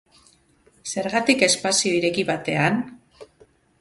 Zergatik espazio ireki batean?